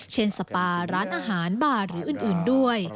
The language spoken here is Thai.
สปาร้านอาหารบาร์หรืออื่นด้วย